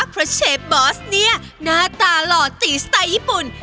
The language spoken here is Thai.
เพราะเชฟบอสเนี่ยหน้าตาหล่อตีสไตล์ญี่ปุ่น